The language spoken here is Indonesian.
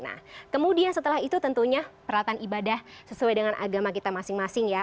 nah kemudian setelah itu tentunya peralatan ibadah sesuai dengan agama kita masing masing ya